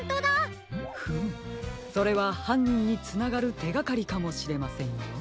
それははんにんにつながるてがかりかもしれませんよ。